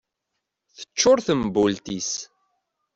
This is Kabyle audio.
Tecčur tembult-is